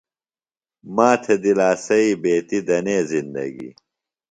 ماتھے دِلاسیئی بیتیۡ دنے زندگی۔